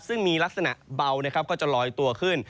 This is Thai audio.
ซึ่งมีลักษณะเบานะครับก็จะลอยตัวขึ้น